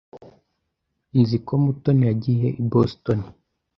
Nzi ko Mutoni yagiye i Boston.